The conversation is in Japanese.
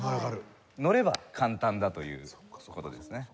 のれば簡単だという事ですね。